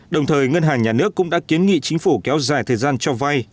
đồng thời ngân hàng nhà nước cũng đã kiến nghị chính phủ kéo dài thời gian cho vay